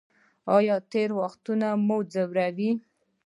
ایا تیر وخت مو ځوروي؟